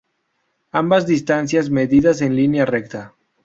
Ambas distancias medidas en línea recta.